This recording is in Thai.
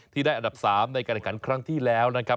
ได้อันดับ๓ในการแข่งขันครั้งที่แล้วนะครับ